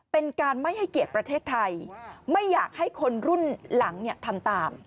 เป็นการไม่ให้เกียรติประเทศไทยไม่อยากให้คนรุ่นหลังทำตาม